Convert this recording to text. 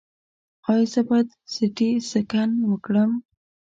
ایا زه باید سټي سکن وکړم؟